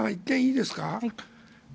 １点いいですか。